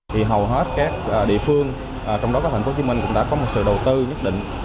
thì hầu hết các địa phương trong đó các thành phố hồ chí minh cũng đã có một sự đầu tư nhất định